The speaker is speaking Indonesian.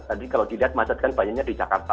tadi kalau dilihat macet kan banyaknya di jakarta